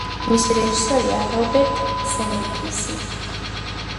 მისი რეჟისორია რობერტ ზემეკისი.